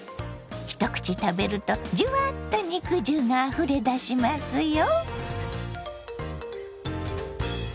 一口食べるとじゅわっと肉汁があふれ出しますよ。